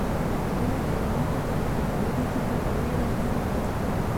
نورو حیواناتو په هغه برید وکړ او ویې واهه.